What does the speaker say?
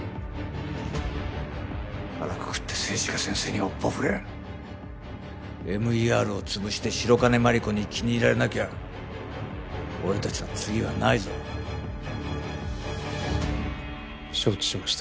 腹くくって政治家先生に尾っぽ振れＭＥＲをつぶして白金眞理子に気に入られなきゃ俺達の次はないぞ承知しました